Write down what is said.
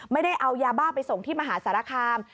ไม่ได้เอายาบ้าไปส่งที่มหาสารคาม